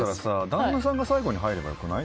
旦那さんが最後に入ればよくない？